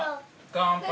乾杯！